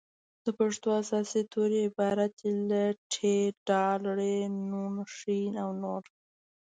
د پښتو اساسي توري عبارت دي له : ټ ډ ړ ڼ ښ او نور